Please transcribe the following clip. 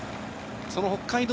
その北海道